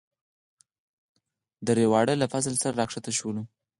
دریواړه له فضل سره راکښته شولو.